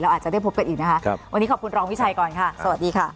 อาจจะได้พบกันอีกนะคะวันนี้ขอบคุณรองวิชัยก่อนค่ะสวัสดีค่ะ